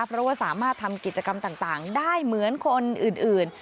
เพราะว่าสามารถทำกิจกรรมต่างได้เหมือนคนอื่น